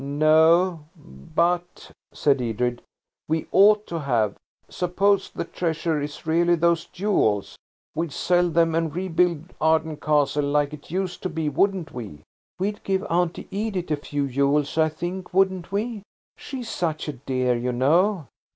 "No; but," said Edred, "we ought to have. Suppose the treasure is really those jewels. We'd sell them and rebuild Arden Castle like it used to be, wouldn't we?" "We'd give Auntie Edith a few jewels, I think, wouldn't we? She is such a dear, you know."